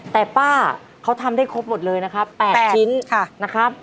แต่ป้าเขาทำได้ครบหมดเลยนะครับ๘ชิ้นนะครับ